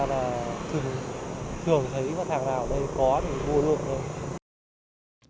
thường thấy mặt hàng nào ở đây có thì mua luôn thôi